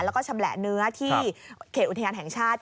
แล้วก็ชำแหละเนื้อที่เขตอุทยานแห่งชาติ